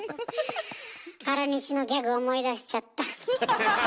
原西のギャグ思い出しちゃった。